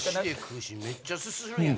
めっちゃすするやん。